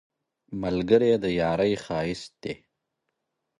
ملګری د یارۍ ښایست دی